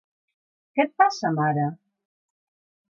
¿Què et passa, mare?